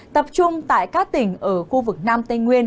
tập trung tại các tỉnh ở khu vực nam tây nguyên